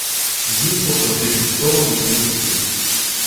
Дід покрутив підкову з усіх боків.